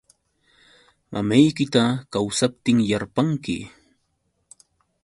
Mamaykita kawsaptinyarpanki.